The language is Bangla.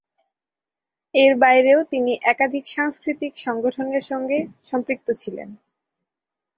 এর বাইরেও তিনি একাধিক সাংস্কৃতিক সংগঠনের সঙ্গে সম্পৃক্ত ছিলেন।